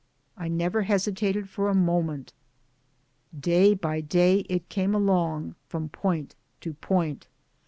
I never hesitated for a moment. Day by day it came along from point to point.